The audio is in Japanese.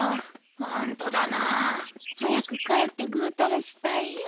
ホントだな。早く帰ってぐうたらしたいよ。